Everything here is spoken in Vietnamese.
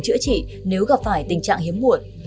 chữa trị nếu gặp phải tình trạng hiếm muội